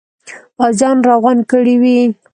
پوځیان را غونډ کړي وي.